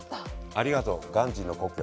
ありがとうガンジーの故郷。